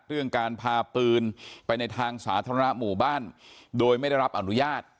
เรื่องการพาปืนไปในทางสาธารณะหมู่บ้านโดยไม่ได้รับอนุญาต